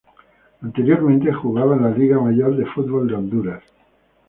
Anteriormente jugaba en la Liga Mayor de Fútbol de Honduras.